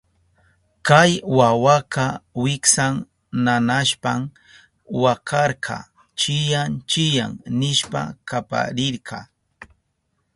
Kay wawaka wiksan nanashpan wakarka, chiyán chiyán nishpa kaparirka.